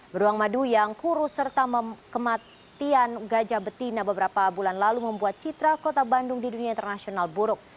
beruang madu yang kurus serta kematian gajah betina beberapa bulan lalu membuat citra kota bandung di dunia internasional buruk